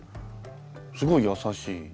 すごい優しい。